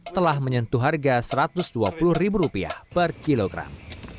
telah menyentuh harga rp satu ratus dua puluh per kilogram